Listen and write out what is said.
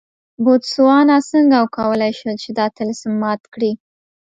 بوتسوانا څنګه وکولای شول چې دا طلسم مات کړي.